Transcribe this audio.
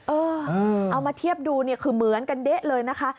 เออเอามาเทียบดูคือเหมือนกันเด๊ะเลยนะคะ